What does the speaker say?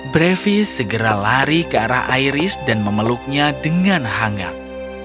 brevis segera lari ke arah iris dan memeluknya dengan hangat